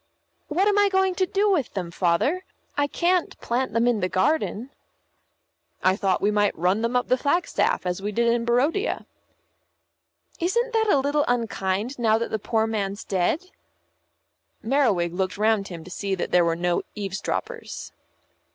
"What am I going to do with them, Father? I can't plant them in the garden." "I thought we might run them up the flagstaff, as we did in Barodia." "Isn't that a little unkind now that the poor man's dead?" Merriwig looked round him to see that there were no eavesdroppers.